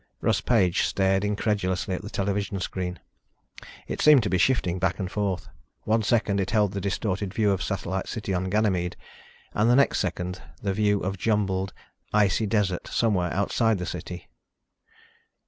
Russ Page stared incredulously at the television screen. It seemed to be shifting back and forth. One second it held the distorted view of Satellite City on Ganymede, and the next second the view of jumbled, icy desert somewhere outside the city.